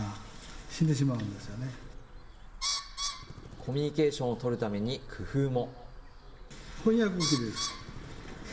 コミュニケーションを取るために工夫も。